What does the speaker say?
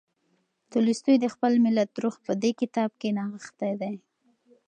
تولستوی د خپل ملت روح په دې کتاب کې نغښتی دی.